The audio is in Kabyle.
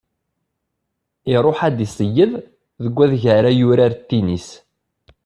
Iṛuḥ ad d-iseyyed deg wadeg ara yurar tinis.